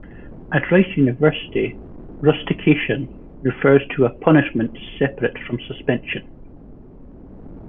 At Rice University, rustication refers to a punishment separate from suspension.